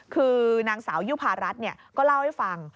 คือนางสาวยุภารัฐก็เล่าให้ฟัง